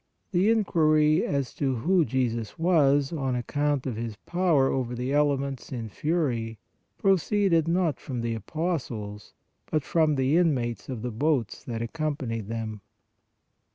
The inquiry as to who Jesus was, on ac count of His power over the elements in fury, pro ceeded, not from the apostles, but from the inmates of the boats that accompanied them.